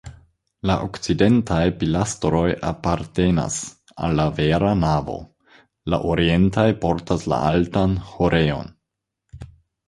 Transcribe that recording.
La okcidentaj pilastroj apartenas al la vera navo, la orientaj portas la altan ĥorejon.